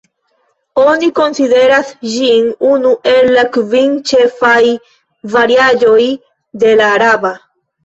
Oni konsideras ĝin unu el la kvin ĉefaj variaĵoj de la araba.